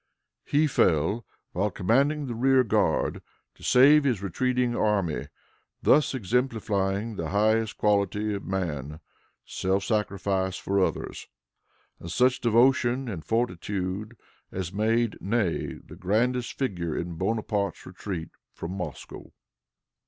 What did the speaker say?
He fell while commanding the rear guard, to save his retreating army, thus exemplifying the highest quality of man, self sacrifice for others, and such devotion and fortitude as made Ney the grandest figure in Bonaparte's retreat from Moscow.